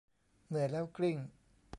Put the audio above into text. เหนื่อยแล้วกลิ้ง